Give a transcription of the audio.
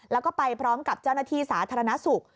แล้วก็ไปพร้อมกับเจ้าหน้าที่สาธารณสุข